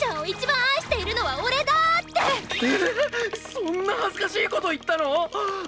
そんな恥ずかしいこと言ったの？